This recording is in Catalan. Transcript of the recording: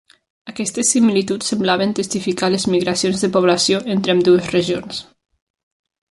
Aquestes similituds semblaven testificar les migracions de població entre ambdues regions.